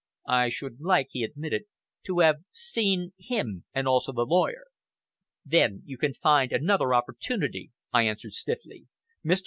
"I should like," he admitted, "to have seen him, and also the lawyer." "Then you can find another opportunity," I answered stiffly. "Mr.